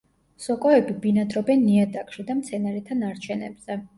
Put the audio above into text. სოკოები ბინადრობენ ნიადაგში და მცენარეთა ნარჩენებზე.